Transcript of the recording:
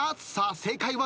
［正解は］